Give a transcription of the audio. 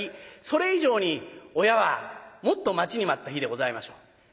それ以上に親はもっと待ちに待った日でございましょう。